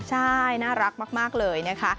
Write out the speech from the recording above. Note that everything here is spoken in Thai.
ใช่น่ารักมากเลยนะคะ